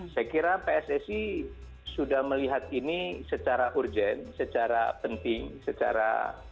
saya kira pssi sudah melihat ini secara urgent secara penting secara